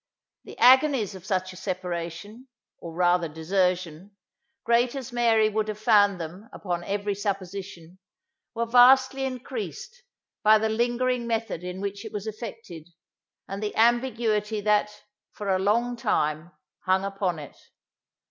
The agonies of such a separation, or rather desertion, great as Mary would have found them upon every supposition, were vastly increased, by the lingering method in which it was effected, and the ambiguity that, for a long time, hung upon it.